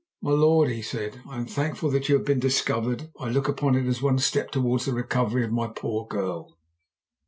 "My lord," he said, "I am thankful that you have been discovered. I look upon it as one step towards the recovery of my poor girl.